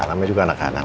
ya namanya juga anak anak